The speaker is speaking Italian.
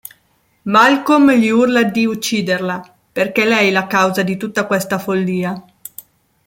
Malcom gli urla di ucciderla, perché è lei la causa di tutta questa follia.